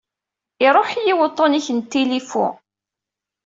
Iruḥ-iyi wuṭṭun-ik n tilufu